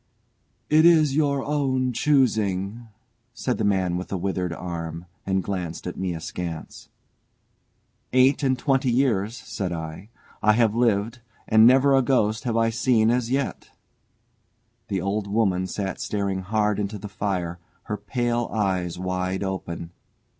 "It is your own choosing," said the man with the withered arm, and glanced at me askance. "Eight and twenty years," said I, "I have lived, and never a ghost have I seen as yet." The old woman sat staring hard into the fire, her pale eyes wide open.